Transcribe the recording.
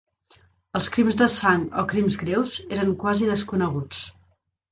Els crims de sang o crims greus eren quasi desconeguts.